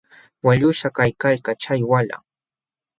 Waqlluśhqam kaykalkaa chay walah.